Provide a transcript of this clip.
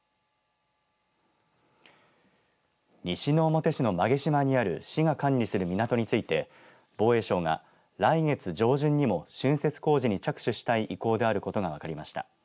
西之表市の馬毛島にある市が管理する港ついて防衛省が来月上旬にもしゅんせつ工事に着手したい意向であることが分かりました。